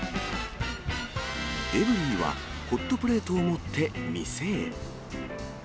エブリィは、ホットプレートを持って店へ。